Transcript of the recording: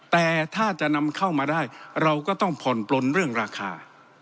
แต่ถ้าจะนำเข้ามาได้เราก็ต้องผ่อนปลนเรื่องราคา